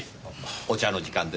お茶の時間ですか？